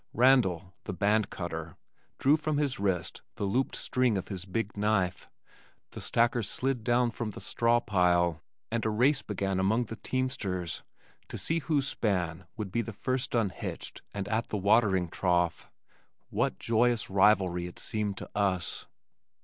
Randal, the band cutter, drew from his wrist the looped string of his big knife, the stackers slid down from the straw pile, and a race began among the teamsters to see whose span would be first unhitched and at the watering trough. What joyous rivalry it seemed to us!